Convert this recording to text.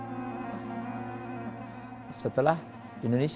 sebagai bentuk pernyataan kerajaan siap bergabung dengan pemerintah indonesia